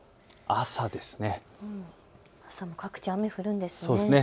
朝も各地、雨降るんですね。